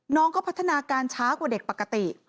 น้องก็พัฒนาการช้ากว่าเด็กปกติ